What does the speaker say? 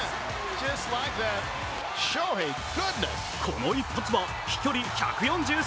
この一発は飛距離１４３ｍ。